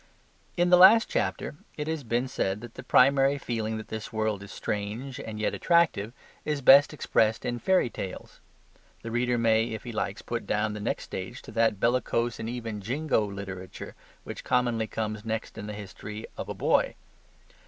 In the last chapter it has been said that the primary feeling that this world is strange and yet attractive is best expressed in fairy tales. The reader may, if he likes, put down the next stage to that bellicose and even jingo literature which commonly comes next in the history of a boy.